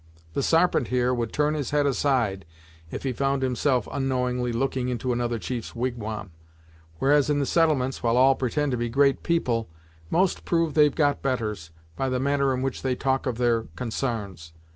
The Sarpent, here, would turn his head aside if he found himself onknowingly lookin' into another chief's wigwam, whereas in the settlements while all pretend to be great people, most prove they've got betters, by the manner in which they talk of their consarns.